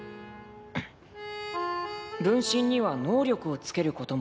「分身には能力をつけることもできます。